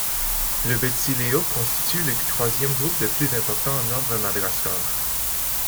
Les Betsileo constituent le troisième groupe le plus important en nombre à Madagascar.